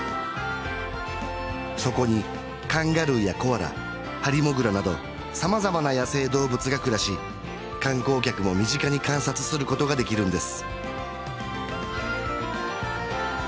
そこにカンガルーやコアラハリモグラなど様々な野生動物が暮らし観光客も身近に観察することができるんです